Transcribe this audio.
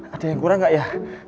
ada yang kurang nggak ya